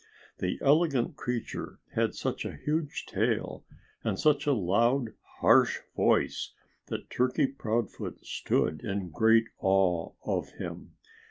The elegant creature had such a huge tail and such a loud, harsh voice that Turkey Proudfoot stood in great awe of him.